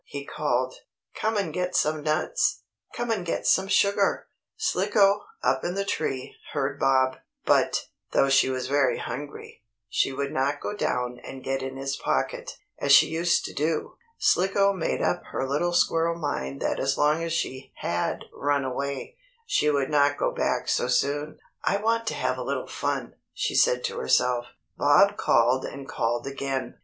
he called. "Come and get some nuts! Come and get some sugar!" Slicko, up in the tree, heard Bob, but, though she was very hungry, she would not go down and get in his pocket, as she used to do. Slicko made up her little squirrel mind that as long as she had run away, she would not go back so soon. "I want to have a little fun," she said to herself. Bob called and called again.